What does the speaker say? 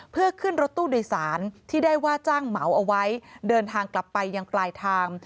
เพื่อขึ้นรถตู้โดยสารที่ได้ว่าจ้างเหมาเอาไว้เดินทางกลับไปยังปลายทาง